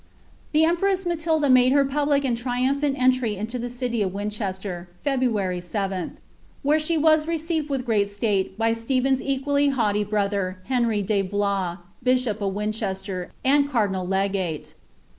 The cq^ireM Matilda made her public and tiiumphant entry into the riif of Winchevter, February 7, wliere the was received with great state by Stephen's equally haughty brother, Henry de Blois, bishop of Wiu c^rster, and carding Ifgue.